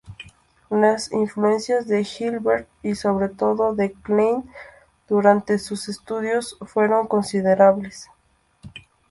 Las influencias de Hilbert y, sobre todo, de Klein durante sus estudios fueron considerables.